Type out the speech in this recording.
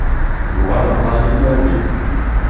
Yuɣal rray i tlawin.